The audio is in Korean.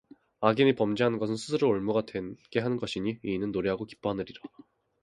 악인의 범죄하는 것은 스스로 올무가 되게 하는 것이나 의인은 노래하고 기뻐하느니라